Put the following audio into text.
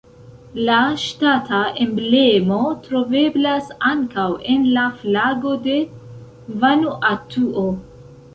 La ŝtata emblemo troveblas ankaŭ en la flago de Vanuatuo.